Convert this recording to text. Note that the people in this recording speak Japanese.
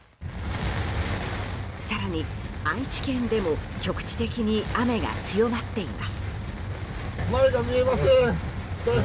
更に、愛知県でも局地的に雨が強まっています。